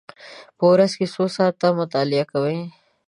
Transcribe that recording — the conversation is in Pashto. په ورځ کې څو ساعته مطالعه کوئ؟